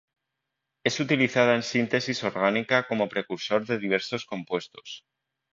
Es utilizada en síntesis orgánica como precursor de diversos compuestos.